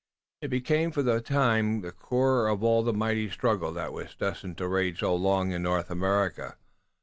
It became for the time the core of all the mighty struggle that was destined to rage so long in North America.